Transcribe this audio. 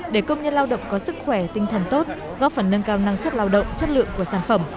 để công nhân lao động có sức khỏe tinh thần tốt góp phần nâng cao năng suất lao động chất lượng của sản phẩm